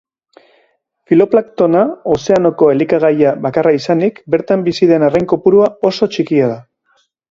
Fitoplanktona ozeanoko elikagai bakarra izanik, bertan bizi den arrain kopurua oso txikia da.